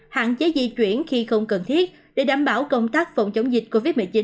hạn chế di chuyển khi không cần thiết để đảm bảo công tác phòng chống dịch covid một mươi chín